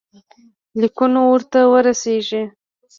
لیکونه ورته ورسیږي.